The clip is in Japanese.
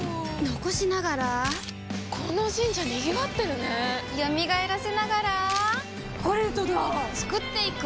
残しながらこの神社賑わってるね蘇らせながらコレドだ創っていく！